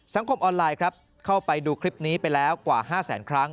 สังคมออนไลน์ครับเข้าไปดูคลิปนี้ไปแล้วกว่า๕แสนครั้ง